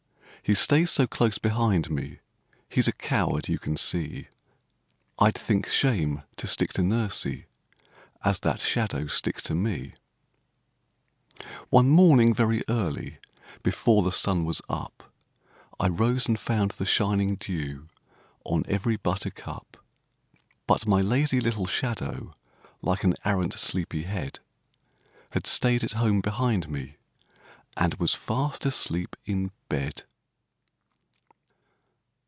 He stays so close beside me, he's a coward you can see; I'd think shame to stick to nursie as that shadow sticks to me! MY SHADOW [Pg 21] One morning, very early, before the sun was up, I rose and found the shining dew on every buttercup; But my lazy little shadow, like an arrant sleepy head, Had stayed at home behind me and was fast asleep in bed.